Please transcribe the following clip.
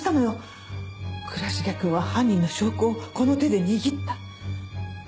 倉重くんは犯人の証拠をこの手で握った。